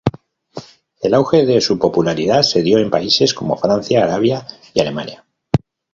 El auge de su popularidad se dio en países como Francia, Arabia y Alemania.